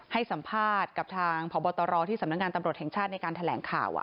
ให้สัมภาษณ์กับทางพบตรที่สำนักงานตำรวจแห่งชาติในการแถลงข่าว